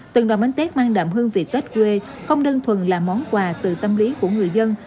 từng đoàn bánh tết mang đậm hương vị tết quê không đơn thuần là món quà từ tâm lý của người dân